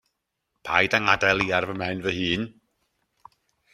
Paid â ngadael i ar fy mhen fy hun.